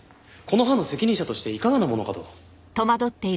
この班の責任者としていかがなものかと。